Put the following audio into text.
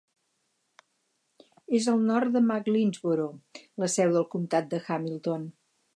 És al nord de McLeansboro, la seu del comptat de Hamilton.